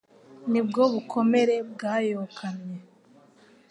Ni bwo bukomere bwayokamye